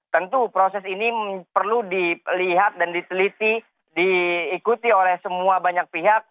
tentu proses ini perlu dilihat dan diteliti diikuti oleh semua banyak pihak